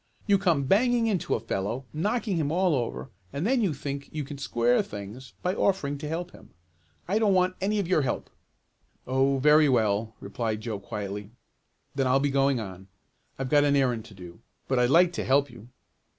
You come banging into a fellow, knocking him all over and then you think you can square things by offering to help him. I don't want any of your help!" "Oh, very well," replied Joe quietly. "Then I'll be going on. I've got an errand to do. But I'd like to help you."